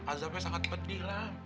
azabnya sangat pedih lah